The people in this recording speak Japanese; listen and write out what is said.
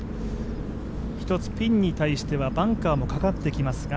１つピンに対してはバンカーもかかってきますが。